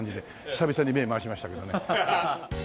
久々に目回しましたけどね。